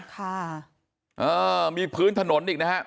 ค่ะเออมีพื้นถนนอีกนะฮะ